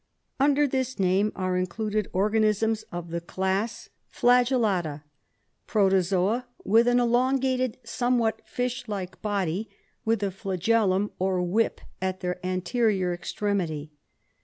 Under this name are included organisms of the class 34 RESEARCH DEFENCE SOCIETY flagellata, protozoa with an elongated, somewhat fish like body, with a ftagellum, or whip, at their anterior extremity.